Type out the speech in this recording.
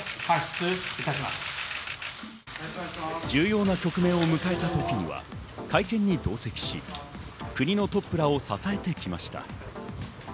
重要な局面を迎えた時には会見に同席し、国のトップらを支えてきました。